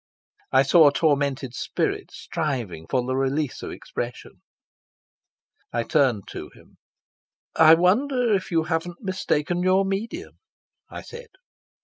I saw a tormented spirit striving for the release of expression. I turned to him. "I wonder if you haven't mistaken your medium," I said.